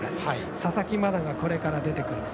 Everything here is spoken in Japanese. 佐々木真菜がこれから出てくる。